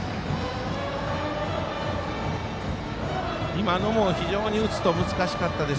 今のも打つと難しかったです。